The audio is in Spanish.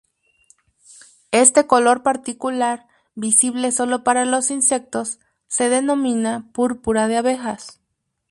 Este color particular, visible sólo para los insectos, se denomina "púrpura de abejas".